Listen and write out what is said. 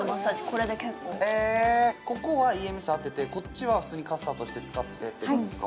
これで結構ここはＥＭＳ当ててこっちは普通にかっさとして使ってって感じですか？